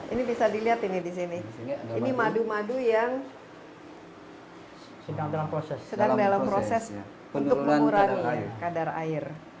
ini bisa dilihat ini di sini ini madu madu yang sedang dalam proses untuk mengurangi kadar air